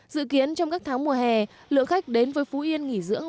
dự kiến trong các tháng mùa hè lượng khách đến với phú yên nghỉ dưỡng